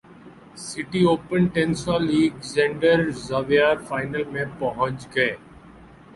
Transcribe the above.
city open tennis Alexander Zverev final میں پہنچ گئے